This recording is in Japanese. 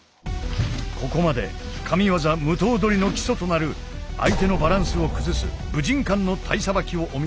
ここまで神技無刀捕の基礎となる相手のバランスを崩す武神館の体さばきをお見せしてきた。